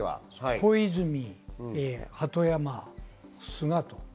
小泉、鳩山、菅と。